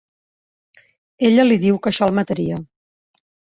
Ella li diu que això el mataria.